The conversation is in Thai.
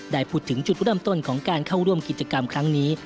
ได้พูดถึงจุดเริ่มต้นของการเข้าร่วมกิจกรรมครั้งนี้